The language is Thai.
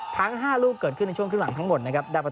ทั้ง๕ลูกเกิดขึ้นในช่วงขึ้นหลังทั้งหมด